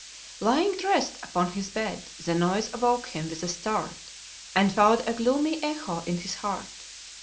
Lying dressed upon his bed, the noise awoke him with a start and found a gloomy echo in his heart.